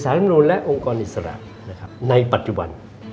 ศาลธรรมนุษย์และองค์กรอิสระในปัจจุบัน